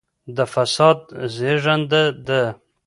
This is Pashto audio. د فساد زېږنده ده.